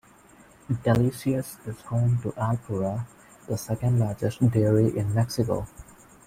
Delicias is home to Alpura, the second largest dairy in Mexico.